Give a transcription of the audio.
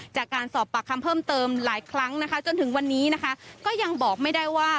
จากการสอบปากคำเพิ่มเติมหลายครั้งนะคะจนถึงวันนี้นะคะก็ยังบอกไม่ได้ว่า